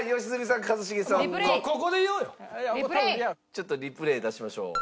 ちょっとリプレイ出しましょう。